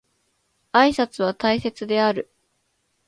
挨拶は大切である